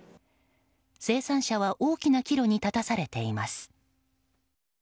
生産者は大きな岐路に立たされています。